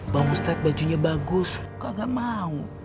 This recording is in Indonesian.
pak ustad bajunya bagus kagak mau